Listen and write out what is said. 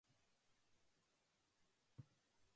彼が白いゲルに同化するまで、彼の言葉を聞いたものはいなかった